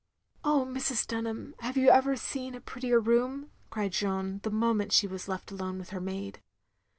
"Oh, Mrs. Dtinham, have you ever seen a prettier room?" cried Jeanne, the moment she was left alone with her maid.